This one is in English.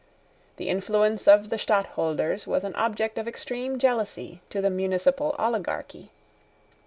The influence of the Stadtholders was an object of extreme jealousy to the municipal oligarchy.